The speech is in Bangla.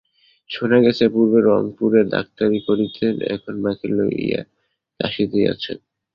শোনা গেছে, পূর্বে রংপুরে ডাক্তারি করিতেন, এখন মাকে লইয়া কাশীতেই আছেন।